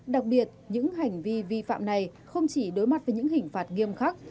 đặc biệt những hành vi vi phạm này không chỉ đối mặt với những hình phạt nghiêm khắc